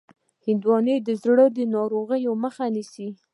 هندوانه د زړه ناروغیو مخه نیسي.